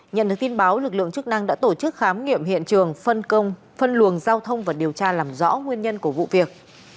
nhận được tin báo lực lượng chức năng đã tổ chức khám nghiệm hiện trường phân luồng giao thông và điều tra làm rõ nguyên nhân của vụ việc